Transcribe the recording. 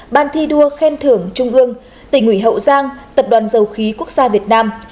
ban thi đua khen thưởng trung ương tỉnh ủy hậu giang tập đoàn dầu khí quốc gia việt nam